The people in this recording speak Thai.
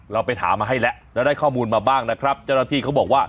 เราไปถามมาให้แล้วแล้วได้ข้อมูลมาบ้างนะครับเจ้าหน้าที่เขาบอกว่า